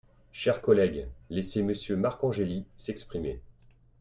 Chers collègues, laissez Monsieur Marcangeli s’exprimer